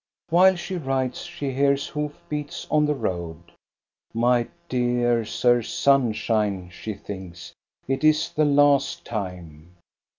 While she writes she hears hoof beats on the road. My dear Sir Sunshine," she thinks, " it is the last time."